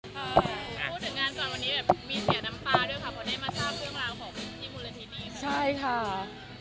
พูดถึงงานกลางวันนี้แบบมีเสียน้ำปลาด้วยค่ะ